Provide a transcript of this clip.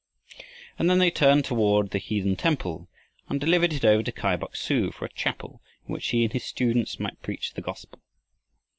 And then they turned toward the heathen temple and delivered it over to Kai Bok su for a chapel in which he and his students might preach the gospel.